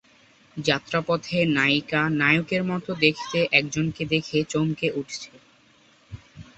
যাত্রাপথে নায়িকা নায়কের মতো দেখতে একজনকে দেখে চমকে উঠছে।